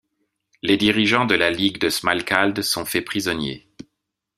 Les dirigeants de la ligue de Smalkalde sont faits prisonniers.